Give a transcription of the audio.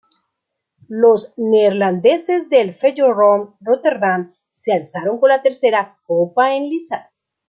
Los neerlandeses del Feyenoord Rotterdam se alzaron con la tercera copa en liza.